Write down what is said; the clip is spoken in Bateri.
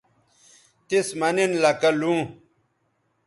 تِس مہ نن لکہ لوں